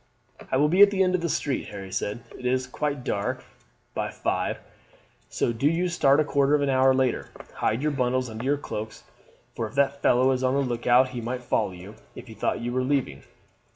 "I will be at the end of the street," Harry said. "It is quite dark by five, so do you start a quarter of an hour later; hide your bundles under your cloaks, for if that fellow is on the look out he might follow you if he thought you were leaving.